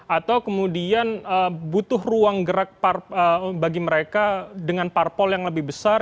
atau kemudian butuh ruang gerak bagi mereka dengan parpol yang lebih besar